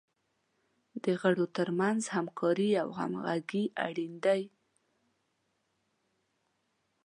د غړو تر منځ همکاري او همغږي اړین دی.